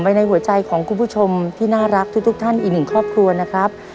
ในหัวใจของคุณผู้ชมที่น่ารักทุกท่านอีกหนึ่งครอบครัวนะครับ